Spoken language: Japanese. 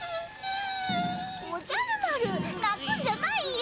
おじゃる丸なくんじゃないよ。